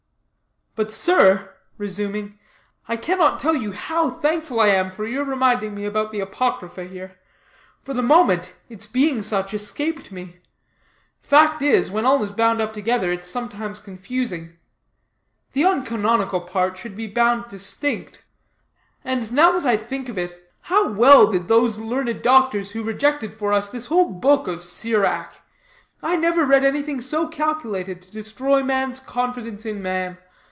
"But, sir," resuming, "I cannot tell you how thankful I am for your reminding me about the apocrypha here. For the moment, its being such escaped me. Fact is, when all is bound up together, it's sometimes confusing. The uncanonical part should be bound distinct. And, now that I think of it, how well did those learned doctors who rejected for us this whole book of Sirach. I never read anything so calculated to destroy man's confidence in man.